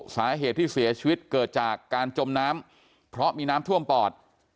สาเหตุที่เสียชีวิตเกิดจากการจมน้ำเพราะมีน้ำท่วมปอด